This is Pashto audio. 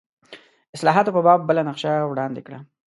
اصلاحاتو په باب بله نقشه وړاندې کړه.